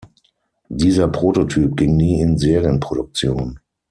Dieser Prototyp ging nie in Serienproduktion.